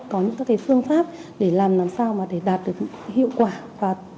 có những phương pháp để làm làm sao mà để đạt được hiệu quả